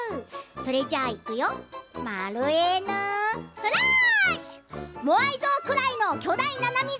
それじゃあ、いくよー！